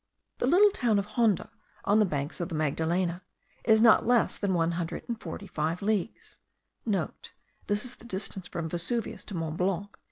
The little town of Honda, on the banks of the Magdalena, is not less than one hundred and forty five leagues* (* This is the distance from Vesuvius to Mont Blanc.)